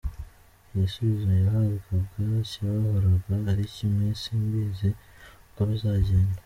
Igisubizo yahabwaga cyahoraga ari kimwe ‘simbizi uko bizagenda’.